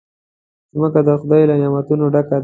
مځکه د خدای له نعمتونو ډکه ده.